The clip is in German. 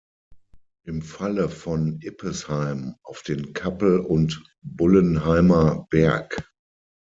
Im Falle von Ippesheim auf den Kappel- und Bullenheimer Berg.